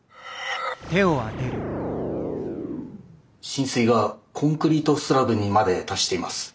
浸水がコンクリートスラブにまで達しています。